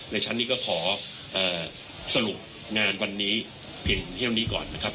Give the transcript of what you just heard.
ชั้นนี้ก็ขอสรุปงานวันนี้เพียงเที่ยวนี้ก่อนนะครับ